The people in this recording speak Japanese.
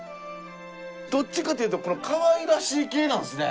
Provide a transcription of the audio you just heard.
どっちかというとかわいらしい系なんですね。